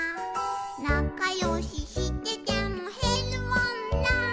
「なかよししててもへるもんな」